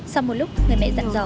sau một lúc người mẹ dặn dò